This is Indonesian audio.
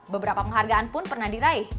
beberapa penghargaan pun pernah diraih